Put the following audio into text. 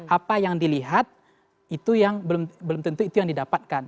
apa yang dilihat itu yang belum tentu itu yang didapatkan